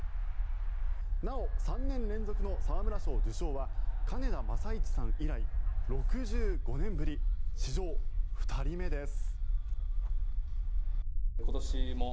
なお、３年連続の沢村賞受賞は金田正一さん以来６５年ぶり史上２人目です。